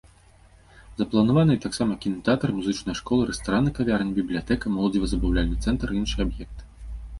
Запланаваныя таксама кінатэатр, музычная школа, рэстаран і кавярні, бібліятэка, моладзева-забаўляльны цэнтр і іншыя аб'екты.